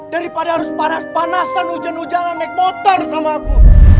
daripada harus panas panasan hujan hujanan naik motor sama aku